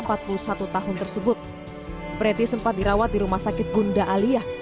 empat puluh satu tahun tersebut preti sempat dirawat di rumah sakit gunda aliyah